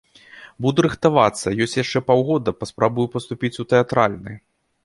Буду рыхтавацца, ёсць яшчэ паўгода, паспрабую паступіць у тэатральны.